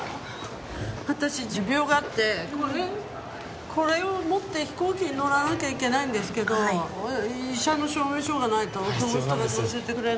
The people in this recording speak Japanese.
私持病があってこれこれを持って飛行機に乗らなきゃいけないんですけど医者の証明書がないとこの人が乗せてくれないって。